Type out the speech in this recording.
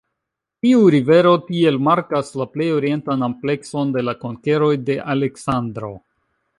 Tiu rivero tiel markas la plej orientan amplekson de la konkeroj de Aleksandro.